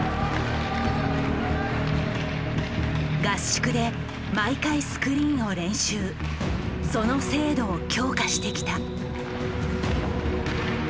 合宿で毎回スクリーンを練習その精度を強化してきた。